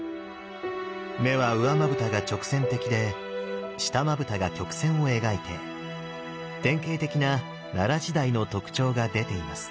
目は上まぶたが直線的で下まぶたが曲線を描いて典型的な奈良時代の特徴が出ています。